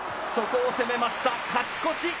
そこを攻めました、勝ち越し。